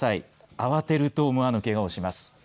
慌てると思わぬけがをします。